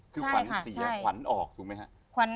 ใช่ค่ะ